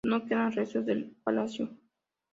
No quedan restos del palacio.